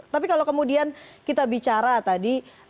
tapi kalau kemudian kita bicara tadi